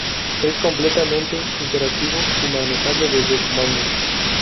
Es completamente interactivo y manejable desde comandos.